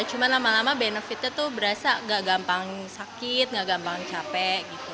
cuma lama lama benefitnya tuh berasa gak gampang sakit gak gampang capek gitu